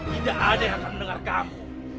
tidak ada yang akan mendengar kamu